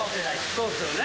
そうっすよね。